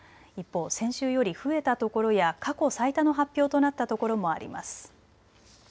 一方、先週より増えたところや過去最多の発表となったところもあります。